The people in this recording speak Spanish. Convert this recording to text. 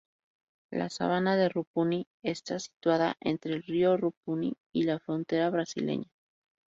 La sabana de Rupununi está situada entre el río Rupununi y la frontera brasileña.